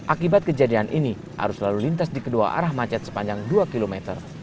akibat kejadian ini arus lalu lintas di kedua arah macet sepanjang dua km